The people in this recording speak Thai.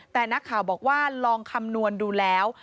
แต่นักข่าวบอกว่าลองคำนวณดูแล้ว